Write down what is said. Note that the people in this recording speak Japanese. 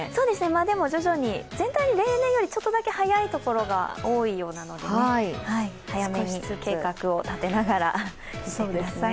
でも、徐々に全体に例年よりちょっとだけ早いところが多いようなので、早めに少しずつ計画を立てながら行ってください。